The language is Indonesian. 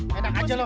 pedang aja lo